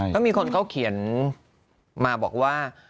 ก็มีคนเขาเขียนมาบอกว่า